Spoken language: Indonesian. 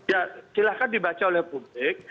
ya silahkan dibaca oleh publik